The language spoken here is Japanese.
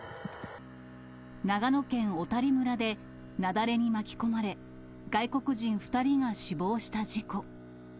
長野県小谷村で雪崩に巻き込まれ、外国人２人が死亡した事故。